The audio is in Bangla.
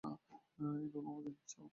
এইভাবে আমাদের জগৎকে ধর্মশিক্ষা দিতে হইবে।